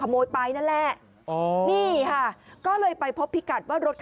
ไม่เอา